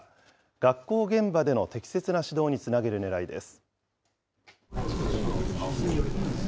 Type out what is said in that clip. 学校現場での適切な指導につなげるねらいです。